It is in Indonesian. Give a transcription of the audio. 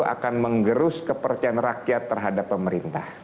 yang justru akan menggerus kepercayaan rakyat terhadap pemerintah